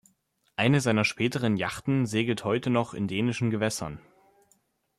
Eine seiner späteren Yachten segelt heute noch in dänischen Gewässern.